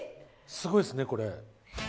すごいですよね、これ。